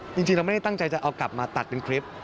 จริงเราไม่ได้ตั้งใจจะเอากลับมาตัดเป็นคลิป